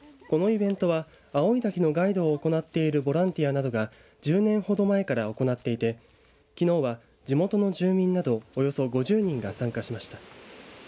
このイベントは青井岳のガイドを行っているボランティアなどが１０年ほど前から行っていてきのうは地元の住民などおよそ５０人が参加しました。